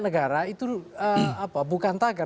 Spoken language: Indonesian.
negara itu bukan tagar